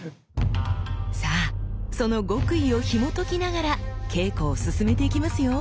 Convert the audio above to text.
さあその極意をひもときながら稽古を進めていきますよ！